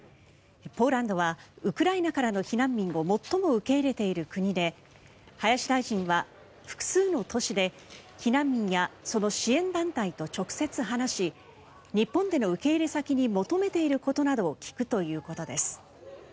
ポーランドはウクライナからの避難民を最も受け入れている国で林大臣は複数の都市で避難民やその支援団体と直接話し日本での受け入れ先に求めていることなどを聞くということです。